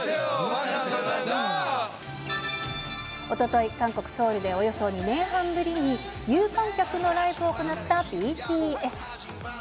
おととい、韓国・ソウルでおよそ２年半ぶりに、有観客のライブを行ったＢＴＳ。